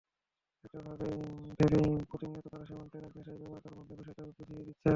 সেটা ভেবেই প্রতিনিয়ত তারা সীমান্তে আগ্নেয়াস্ত্র ব্যবহার করার মাধ্যমে বিষয়টা বুঝিয়ে দিচ্ছে।